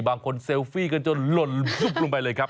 บางคนเซลฟี่กันจนหล่นลงไปเลยครับ